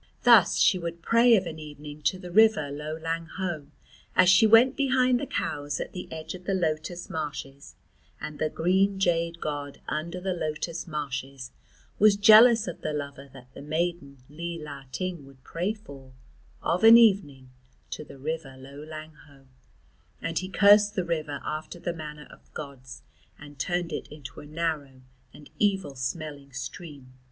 Thus she would pray of an evening to the river Lo Lang Ho as she went behind the cows at the edge of the lotus marshes and the green jade god under the lotus marshes was jealous of the lover that the maiden Li La Ting would pray for of an evening to the river Lo Lang Ho, and he cursed the river after the manner of gods and turned it into a narrow and evil smelling stream.